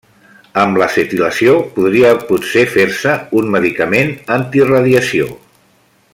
Amb l'acetilació podria potser fer-se un medicament antiradiació.